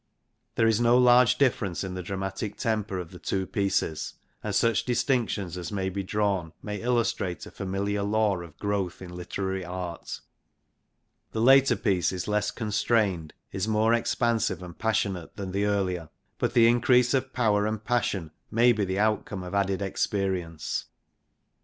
There is no large difference in the dramatic temper of the two pieces, and such distinctions as may be drawn may illustrate a familiar law of growth in literary art. The later piece is less constrained, is more expansive and passionate than the earlier. But the increase of power and passion may be the outcome of added experience.